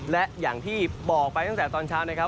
และอย่างที่บอกไปตั้งแต่ตอนเช้านะครับ